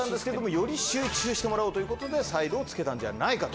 より集中してもらうということでサイドを付けたんじゃないかと。